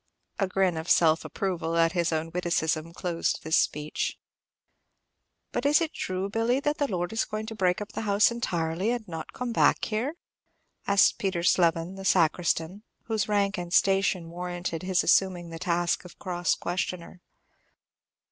A grin of self approval at his own witticism closed this speech. "But is it true, Billy, the lord is going to break up house entirely, and not come back here?" asked Peter Slevin, the sacristan, whose rank and station warranted his assuming the task of cross questioner.